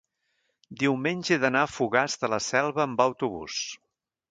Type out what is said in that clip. diumenge he d'anar a Fogars de la Selva amb autobús.